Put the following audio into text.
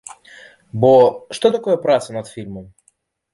Бо што такое праца над фільмам?